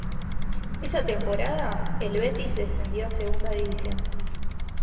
Esa temporada, el Betis descendió a Segunda División.